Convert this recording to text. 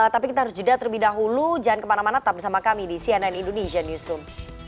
tapi kita harus jeda terlebih dahulu jangan kemana mana tetap bersama kami di cnn indonesian newsroom